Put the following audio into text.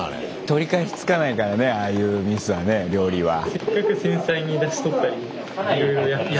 取り返しつかないからねああいうミスはね料理は。